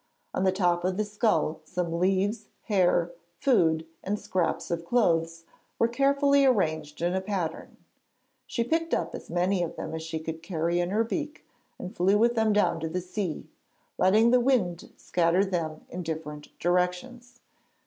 On the top of the skull some leaves, hair, food, and scraps of clothes were carefully arranged in a pattern. She picked up as many of them as she could carry in her beak and flew with them down to the sea, letting the wind scatter them in different directions.